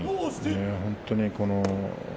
本当に。